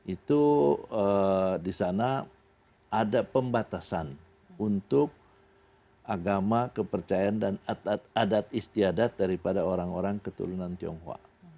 itu di sana ada pembatasan untuk agama kepercayaan dan adat istiadat daripada orang orang keturunan tionghoa